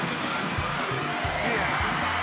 「いや」